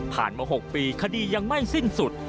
มา๖ปีคดียังไม่สิ้นสุด